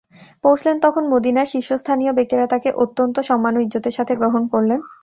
পৌঁছলেন তখন মদীনার শীর্ষস্থানীয় ব্যক্তিরা তাঁকে অত্যন্ত সম্মান ও ইজ্জতের সাথে গ্রহণ করলেন।